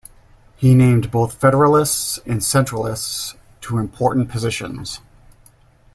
He named both federalists and centralists to important positions.